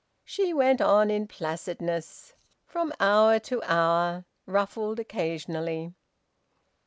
She went on in placidness from hour to hour, ruffled occasionally.